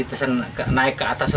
letusan naik ke atas lagi